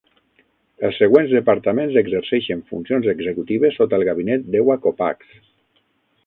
Els següents departaments exerceixen funcions executives sota el gabinet d'Ewa Kopacz.